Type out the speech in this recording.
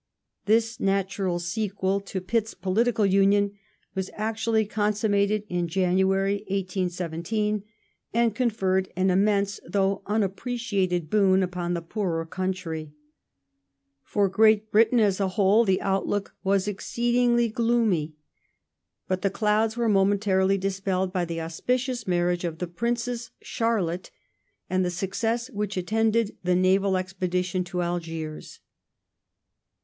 This natural sequel ConsoH to Pitt's political Union was actually consummated in January, British 1817, and conferred an immense though unappreciated boon upon and Irish the poorer country. quers For Great Britain, as a whole, the outlook was exceedingly gloomy. But the clouds were momentarily dispelled by the auspicious marriage of the Princess Charlotte and the success which attended the naval expedition to Algiers.